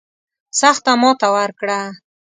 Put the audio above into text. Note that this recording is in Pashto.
سخته ماته ورکړه.